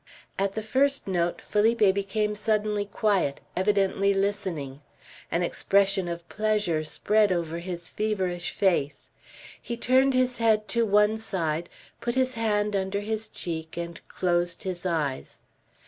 At the first note, Felipe became suddenly quiet, evidently listening. An expression of pleasure spread over his feverish face. He turned his head to one side, put his hand under his cheek and closed his eyes.